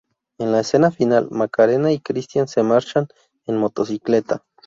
En la escena final, Macarena y Cristián se marchan en motocicleta.